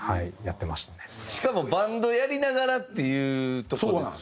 しかもバンドやりながらっていうとこですもんね。